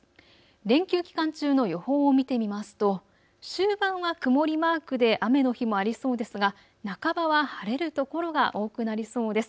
連休期間中の予報を見てみますと終盤は曇りマークで雨の日もありそうですが、半ばは晴れる所が多くなりそうです。